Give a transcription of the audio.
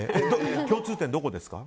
共通点どこですか。